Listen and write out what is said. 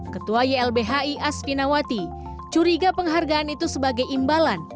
ketua ylbhi aspinawati curiga penghargaan itu sebagai imbalan